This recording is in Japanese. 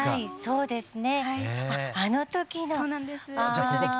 そうですね。